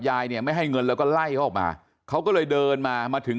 ยายเนี่ยไม่ให้เงินแล้วก็ไล่เขาออกมาเขาก็เลยเดินมามาถึง